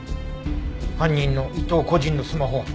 犯人の伊藤個人のスマホは？